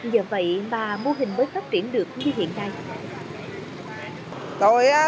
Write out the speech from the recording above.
do vậy mà mô hình mới phát triển được như hiện nay